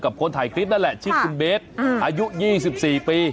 คนถ่ายคลิปนั่นแหละชื่อคุณเบสอายุ๒๔ปี